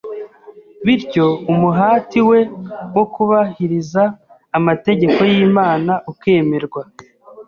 bityo umuhati we wo kubahiriza amategeko y’Imana ukemerwa.